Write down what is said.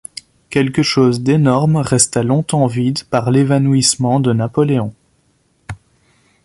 Quelque chose d’énorme resta longtemps vide par l’évanouissement de Napoléon.